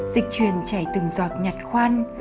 dịch truyền chảy từng giọt nhạt khoan